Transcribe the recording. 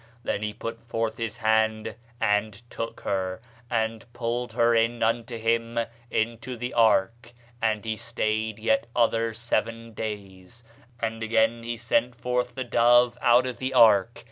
Then he put forth his hand, and took her, and pulled her in unto him into the ark. And he stayed yet other seven days; and again he sent forth the dove out of the ark.